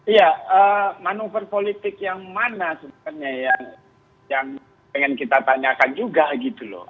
iya manuver politik yang mana sebenarnya yang pengen kita tanyakan juga gitu loh